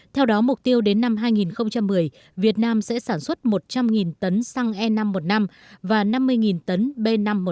theo đó mục tiêu đến năm hai nghìn một mươi việt nam sẽ sản xuất một trăm linh tấn xăng e năm một mươi năm và năm mươi tấn b năm mươi